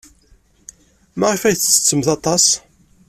Maɣef ay tettettemt aṭas?